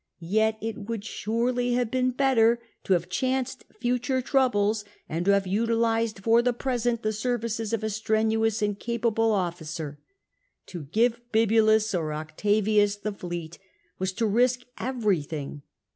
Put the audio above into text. Yet it would surely have been better to have chanced future troubles, and to have utilised for the present the services of a strenuous and capable officer. To give Bibulus or Octavius the fleet was to risk everything.